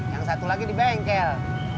yang satu lagi di bengkel